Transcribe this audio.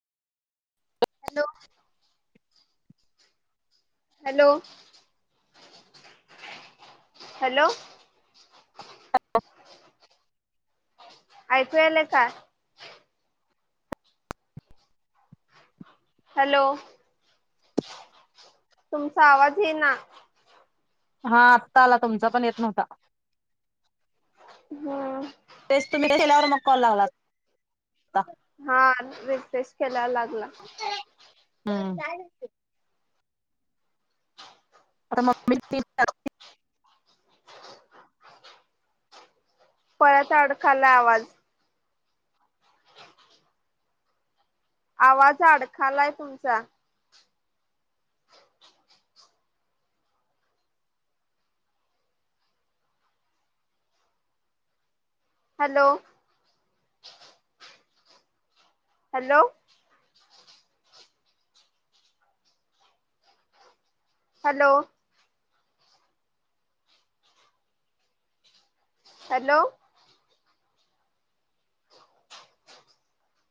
Hello. Hello hello. ऐकू यायला का? हॅलो तुमचा आवाज ये ना. हा आत्ता आला तुमचा पण येत नव्हता. हम्म. तेच तुम्हील्यावर मग कॉल लावलात. हा रिफ्रेश केलाला लागला. हम्म. आता म्ममी [inaudible] परत अडखला आवाज. आवाज अडखालाय तुमचा हॅलो. हॅलो. हॅलो. हॅलो.